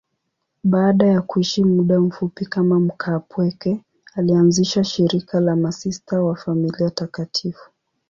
Baada ya kuishi muda mfupi kama mkaapweke, alianzisha shirika la Masista wa Familia Takatifu.